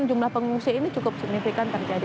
dan jumlah pengungsi ini cukup signifikan terjadi